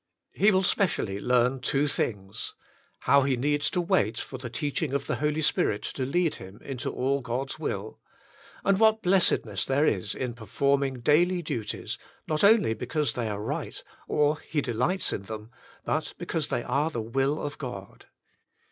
He will specially learn two things. How he needs to wait for the teaching of the Holy Spirit to lead him into all God's will. And what blessed ness there is in performing daily duties, not only because they are right, or he delights in them, but because they are the will of God.